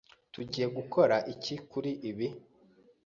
Tugiye gukora iki kuri ibi?